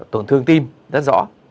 tổn thương tim rất rõ